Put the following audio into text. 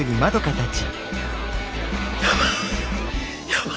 やば！